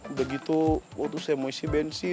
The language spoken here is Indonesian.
udah gitu waktu saya mau isi bensin